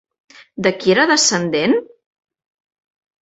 De qui era descendent?